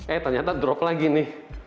eh ternyata drop lagi nih